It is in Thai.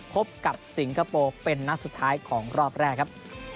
พบกับสิงคโปร์เป็นนัดสุดท้ายของรอบแรกครับ